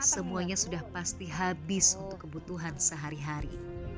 semuanya sudah pasti habis untuk kebutuhan sehari hari